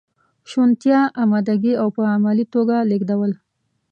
شونتیا، امادګي او په عملي توګه لیږدول.